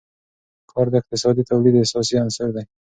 کار د اقتصادي تولید اساسي عنصر دی.